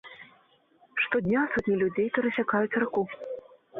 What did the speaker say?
Штодня сотні людзей перасякаюць раку.